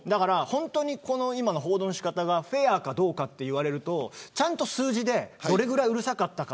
今の報道の仕方がフェアかどうかと言われるとちゃんと数字でどのぐらいうるさかったのか